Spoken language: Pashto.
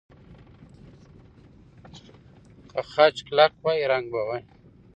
که خج کلک وای، رنګ به وای.